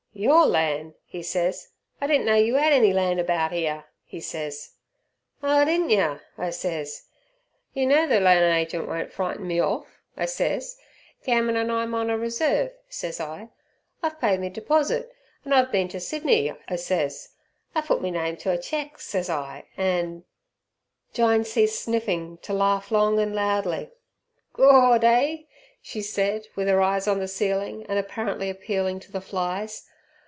"Your lan'," 'e sez, "I didn' know you 'ad any lan' about 'ere," 'e sez. "Oh, didn' yer," I sez, "you ner ther Lan' Agent won' frighten me orf," I sez, "gammonin' I'm on er reserve," sez I, "I've paid me deposit, an' I've been ter Sydney," I sez, "I put me name ter a cheque," sez I, "an' " Jyne ceased sniffing, to laugh long and loudly. "Gawd, eh!" she said, with her eyes on the ceiling and apparently appealing to the flies.